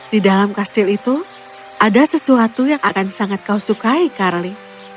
di dalam kastil itu ada sesuatu yang akan sangat kau sukai carly